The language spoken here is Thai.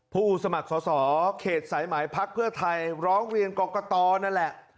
ผู้สมัครสอสอเขตสายหมายพักเพื่อไทยร้องเรียนกรกตนั่นแหละ